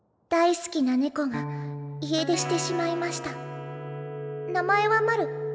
「大好きな猫が家出してしまいました名前はマル。